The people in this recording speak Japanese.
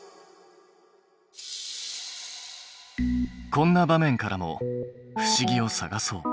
こんな場面からも不思議を探そう。